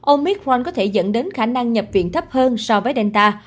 omicron có thể dẫn đến khả năng nhập viện thấp hơn so với delta